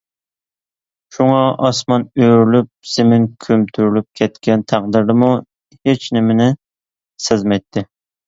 شۇڭا، ئاسمان ئۆرۈلۈپ، زېمىن كۆمتۈرۈلۈپ كەتكەن تەقدىردىمۇ ھېچنېمىنى سەزمەيتتى.